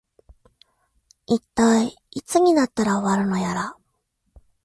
いったい、いつになったら終わるのやら